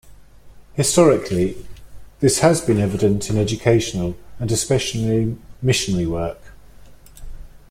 Historically, this has been evident in educational and especially missionary work.